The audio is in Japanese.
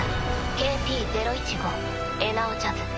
ＫＰ０１５エナオ・ジャズ。